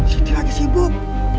siti lagi sibuk